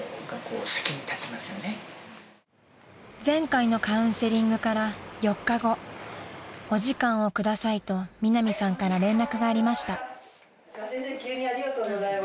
［前回のカウンセリングから４日後「お時間を下さい」とミナミさんから連絡がありました］